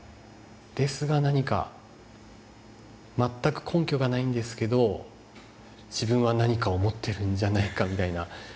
ですが何か全く根拠がないんですけど自分は何かを持ってるんじゃないかみたいな。